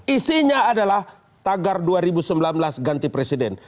isinya adalah tagar dua ribu sembilan belas ganti presiden